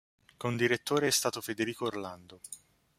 Condirettore è stato Federico Orlando.